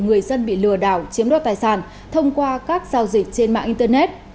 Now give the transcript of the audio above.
người dân bị lừa đảo chiếm đoạt tài sản thông qua các giao dịch trên mạng internet